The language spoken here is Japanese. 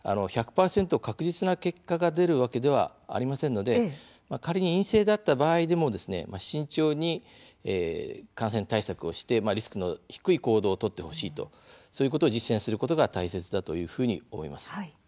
確実な結果が出るわけではありませんので仮に陰性であった場合でも慎重に感染対策をしてリスクの低い行動を取ってほしいとそういうことを実践することが大切だというふうに思います。